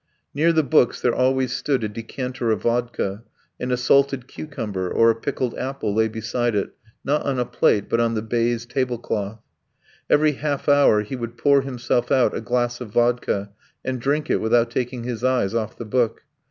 Near the books there always stood a decanter of vodka, and a salted cucumber or a pickled apple lay beside it, not on a plate, but on the baize table cloth. Every half hour he would pour himself out a glass of vodka and drink it without taking his eyes off the book.